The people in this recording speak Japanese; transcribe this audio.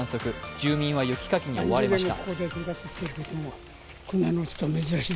住民は雪かきに追われました。